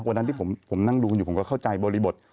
วันนั้นที่ผมนั่งดูอยู่ผมก็เข้าใจบริบท